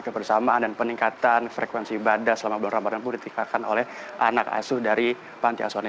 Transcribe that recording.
kebersamaan dan peningkatan frekuensi ibadah selama bulan ramadan pun ditingkatkan oleh anak asuh dari panti asuhan ini